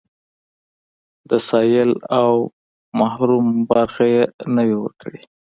د سايل او محروم برخه يې نه وي ورکړې.